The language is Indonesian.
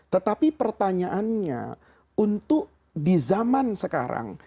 tetapi pertanyaannya untuk di zaman sekarang